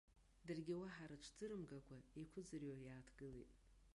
Даргьы уаҳа рыҽӡырымгакәа еиқәыӡырҩуа иааҭгылеит.